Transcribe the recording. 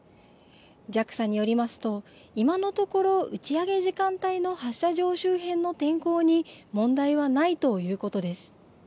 ＪＡＸＡによりますと、今のところ打ち上げ時間帯の発射場周辺の天候に問題はないということです。